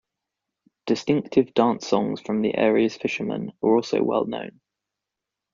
Distinctive dance songs from the area's fishermen are also well-known.